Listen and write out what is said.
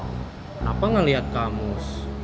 kenapa gak liat kamus